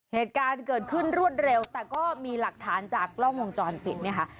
เหตุการณ์เกิดขึ้นรวดเร็วแต่ก็มีหลักฐานจากกล้องวงจรปิดเนี่ยค่ะ